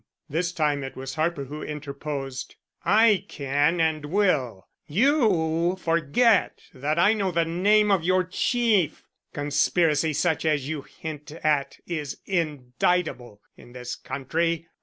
This time it was Harper who interposed. "I can and will. You forget that I know the name of your Chief. Conspiracy such as you hint at is indictable in this country.